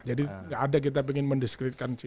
jadi gak ada kita pengen mendeskripsikan